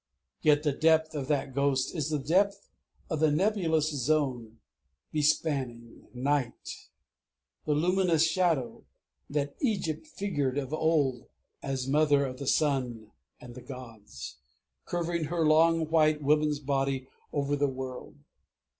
Yet the depth of that ghost is the depth of the Nebulous Zone bespanning Night, the luminous Shadow that Egypt figured of old as Mother of the Sun and the Gods, curving her long white woman's body over the world.